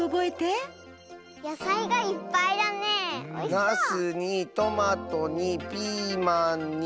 ナスにトマトにピーマンに。